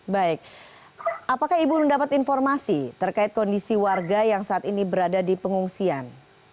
baik apakah ibu mendapat informasi terkait kondisi warga yang saat ini berada di pengungsian